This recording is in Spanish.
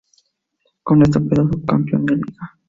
Con esto quedó subcampeón de liga.